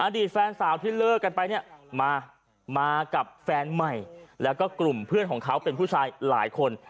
ดีตแฟนสาวที่เลิกกันไปเนี่ยมากับแฟนใหม่แล้วก็กลุ่มเพื่อนของเขาเป็นผู้ชายหลายคน